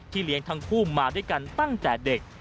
เลี้ยงทั้งคู่มาด้วยกันตั้งแต่เด็ก